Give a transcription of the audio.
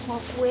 mau kue gak